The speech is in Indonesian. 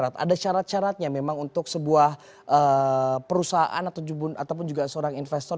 ada syarat syaratnya memang untuk sebuah perusahaan ataupun juga seorang investor